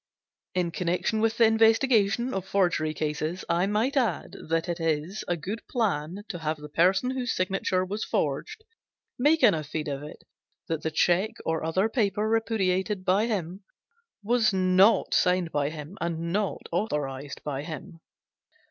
In connection with the investigation of forgery cases I might add that it is a good plan to have the person whose signature was forged make an affidavit that the check or other paper repudiated by him, was not signed by him and not authorized by him.